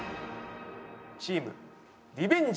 チームリベンジャーズ。